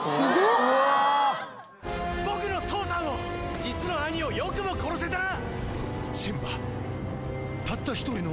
うわ僕の父さんを実の兄をよくも殺せたな！